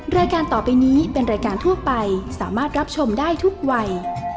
รายการต่อไปนี้เป็นรายการทั่วไปสามารถรับชมได้ทุกวัย